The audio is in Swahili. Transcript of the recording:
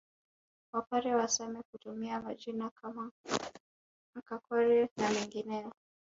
Wapare wa Same hutumia majina kama Kakore na mengineyo